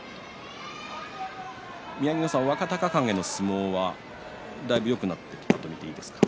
宮城野さん、若隆景の相撲はだいぶよくなってきたと見ていますか？